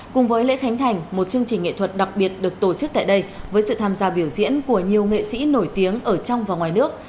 cùng với lễ khánh thành một chương trình nghệ thuật đặc biệt được tổ chức tại đây với sự tham gia biểu diễn của nhiều nghệ sĩ nổi tiếng ở trong và ngoài nước